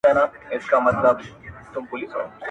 • را یادېږي دي خواږه خواږه قولونه -